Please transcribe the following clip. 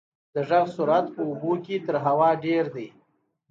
د غږ سرعت په اوبو کې له هوا څخه ډېر دی.